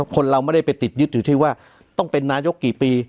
คนเราไม่ได้ไปติดยึดอยู่ที่ว่าต้องเป็นนายกกี่ปี